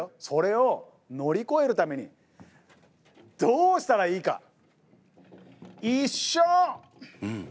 それを乗り越えるためにどうしたらいいか。